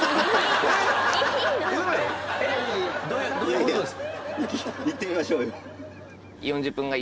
いやいや行ってみましょうよ。